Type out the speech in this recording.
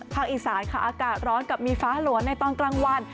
อีสานค่ะอากาศร้อนกับมีฟ้าหลวนในตอนกลางวัน